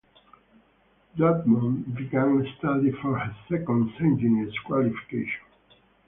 Drummond began study for her Second Engineer's qualification.